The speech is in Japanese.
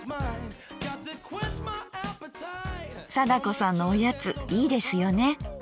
貞子さんのおやついいですよね。